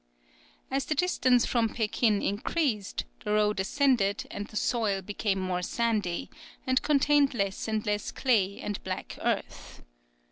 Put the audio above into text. As the distance from Pekin increased, the road ascended and the soil became more sandy, and contained less and less clay and black earth.